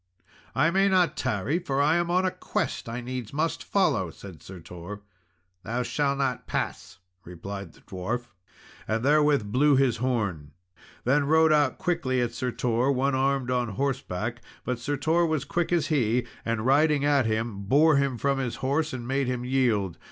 "I may not tarry, for I am on a quest I needs must follow," said Sir Tor. "Thou shalt not pass," replied the dwarf, and therewith blew his horn. Then rode out quickly at Sir Tor one armed on horseback, but Sir Tor was quick as he, and riding at him bore him from his horse, and made him yield.